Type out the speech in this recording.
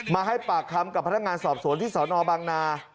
มาให้ปากคำกับพนักงานสอบสวนที่สนบางนา